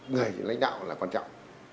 người lãnh đạo là quan trọng